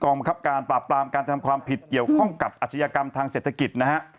บังคับการปราบปรามการทำความผิดเกี่ยวข้องกับอาชญากรรมทางเศรษฐกิจนะฮะ